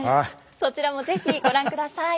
そちらも是非ご覧ください。